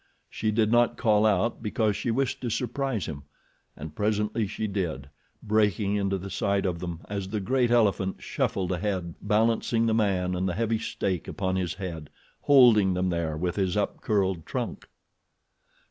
She did not call out because she wished to surprise him, and presently she did, breaking into sight of them as the great elephant shuffled ahead balancing the man and the heavy stake upon his head, holding them there with his upcurled trunk.